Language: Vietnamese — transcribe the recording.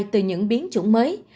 từ những biến chủng mới